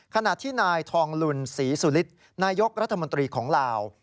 ขณะที่นายทองลุนศรีสุฤทธิ์นายกรัฐมนตรีของลาว